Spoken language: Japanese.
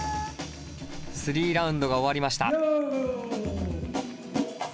３ラウンドが終わりました。